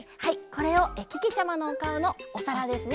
これをけけちゃまのおかおのおさらですね